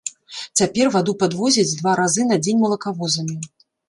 Цяпер ваду падвозяць два разы на дзень малакавозамі.